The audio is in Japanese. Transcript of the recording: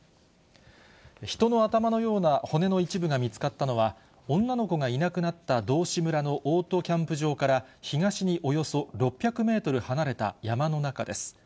人の頭のような骨の一部が見つかったのは、女の子がいなくなった道志村のオートキャンプ場から東におよそ６００メートル離れた山の中です。